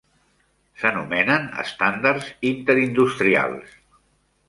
S'anomenen estàndards interindustrials.